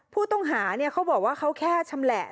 ผู้ต้องหาเขาบอกว่าเขาแค่ชำแหละ